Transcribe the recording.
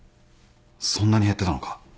そんなに減ってたのか。